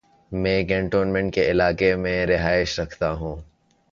میں کینٹونمینٹ کے علاقے میں رہائش رکھتا ہوں۔